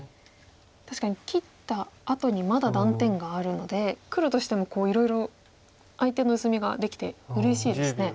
確かに切ったあとにまだ断点があるので黒としてもいろいろ相手の薄みができてうれしいですね。